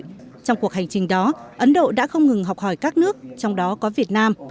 trong cuộc hành trình đó ấn độ đã không ngừng học hỏi các nước trong đó có việt nam